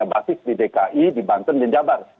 basis di dki di banten dan jabar